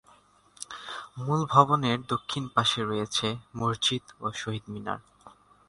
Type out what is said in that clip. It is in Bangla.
মূল ভবনের দক্ষিণ পাশে রয়েছে মসজিদ ও শহীদ মিনার।